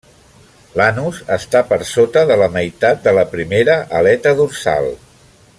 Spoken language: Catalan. L'anus està per sota de la meitat de la primera aleta dorsal.